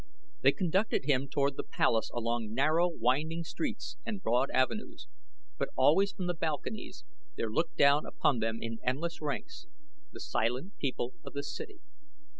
They conducted him toward the palace along narrow, winding streets and broad avenues; but always from the balconies there looked down upon them in endless ranks the silent people of the city.